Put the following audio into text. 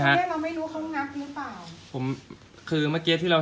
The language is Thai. กลับมาร้อยเท้า